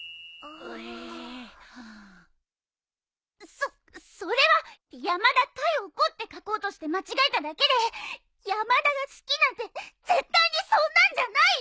そそれは「山田かよ子」って書こうとして間違えただけで山田が好きなんて絶対にそんなんじゃないよ！